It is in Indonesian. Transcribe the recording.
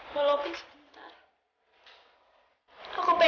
tolong jaga diriku gita